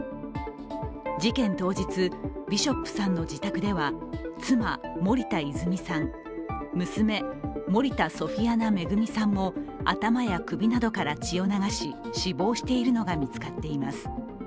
事件当日、ビショップさんの自宅では妻・森田泉さん、娘・森田ソフィアナ恵さんも頭や首などから血を流し死亡しているのが見つかっています。